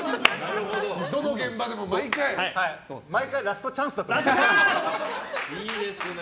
どの現場でも毎回ラストチャンスだと。